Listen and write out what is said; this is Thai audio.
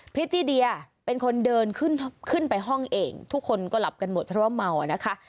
พริตตี้เดียเป็นคนเดินขึ้นไปห้องเองทุกคนก็หลับกันหมดเพราะว่าเมานะคะ